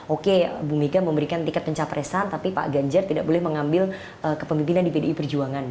oke bu mega memberikan tiket pencapresan tapi pak ganjar tidak boleh mengambil kepemimpinan di pdi perjuangan